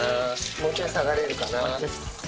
もうちょい下がれるかな。